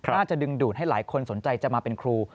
ดึงดูดให้หลายคนสนใจจะมาเป็นครู